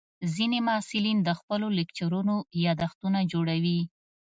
ځینې محصلین د خپلو لیکچرونو یادښتونه جوړوي.